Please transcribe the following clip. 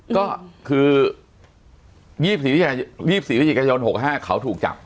ก็คือ๒๔พฤศจิกายน๖๕เขาถูกจับ